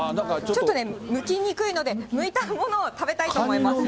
ちょっとね、むきにくいので、むいたものを食べたいと思います。